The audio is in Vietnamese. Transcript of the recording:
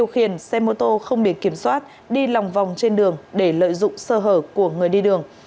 điều khiển xe mô tô không biển kiểm soát đi lòng vòng trên đường để lợi dụng sơ hở của người đi đường